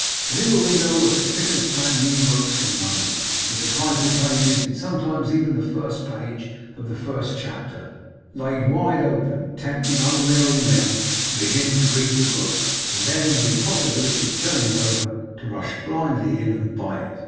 And in the window were the spick and span new works from London, with the title pages, and sometimes even the first page of the first chapter, laid wide open; tempting unwary men to begin to read the book, and then, in the impossibility of turning over, to rush blindly in, and buy it!